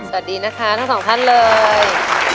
สวัสดีนะคะทั้งสองท่านเลย